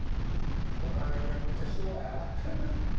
おかげでこっちは商売上がったりだ。